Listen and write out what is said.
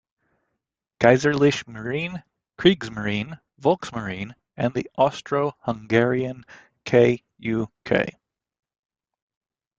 Kaiserliche Marine, Kriegsmarine, Volksmarine, and the Austro-Hungarian K.u.K.